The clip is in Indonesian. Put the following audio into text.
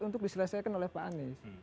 untuk diselesaikan oleh pak anies